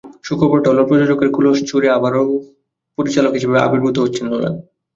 সুখবরটা হলো, প্রযোজকের খোলস ছুড়ে ফেলে আবারও পরিচালক হিসেবে আবির্ভূত হচ্ছেন নোলান।